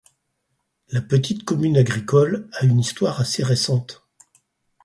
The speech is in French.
La petite commune agricole a une histoire assez récente.